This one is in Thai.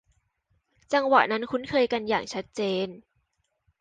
จังหวะนั้นคุ้นเคยกันอย่างชัดเจน